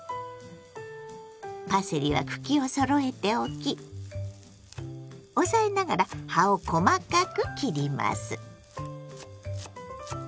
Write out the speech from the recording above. パセリは茎をそろえて置き押さえながら葉を細かく切ります。